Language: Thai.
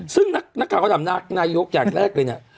ซึ่งนักการเขาทำนายกอย่างแรกเลยเนี่ย